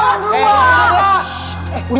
lo dulu yang nyolot